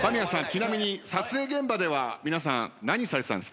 ちなみに撮影現場では皆さん何されてたんですか？